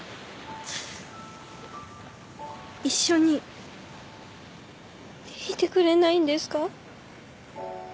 一緒にいてくれないんですか？